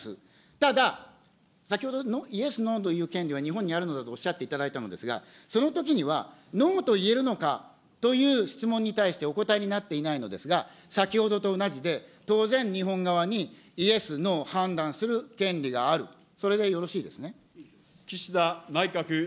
ただ、先ほど、イエス、ノーという権利は日本にあるのだとおっしゃっていただいたのですが、そのときにはノーと言えるのかという質問に対してお答えになっていないのですが、先ほどと同じで、当然日本側にイエス、ノー、判断する権利がある、それでよろしいですね。